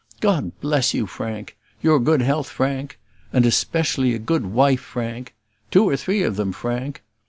"God bless you, Frank!" "Your good health, Frank!" "And especially a good wife, Frank!" "Two or three of them, Frank!"